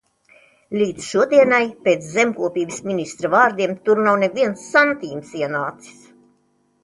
Līdz šodienai, pēc zemkopības ministra vārdiem, tur nav neviens santīms ienācis.